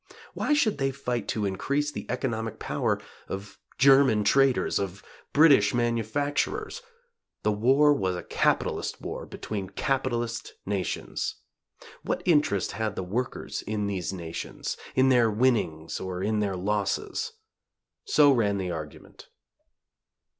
Why should they fight to increase the economic power of German traders? of British manufacturers? The war was a capitalist war between capitalist nations. What interest had the workers in these nations? in their winnings or in their losses? So ran the argument.